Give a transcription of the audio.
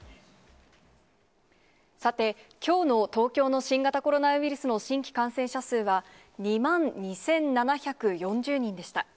さて、きょうの東京の新型コロナウイルスの新規感染者数は、２万２７４０人でした。